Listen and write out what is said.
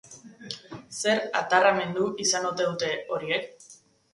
Zer atarramentu izan ote dute horiek?.